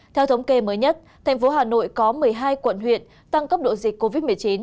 theo thống kê mới nhất thành phố hà nội có một mươi hai quận huyện tăng cấp độ dịch covid một mươi chín